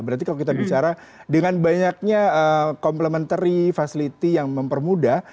berarti kalau kita bicara dengan banyaknya complementary facility yang mempermudah